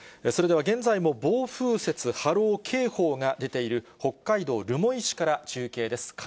それでは現在も暴風雪波浪警報が出ている、北海道留萌市から中継です。